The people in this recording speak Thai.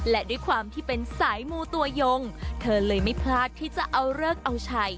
และด้วยความที่เป็นสายมูตัวยงเธอเลยไม่พลาดที่จะเอาเลิกเอาชัย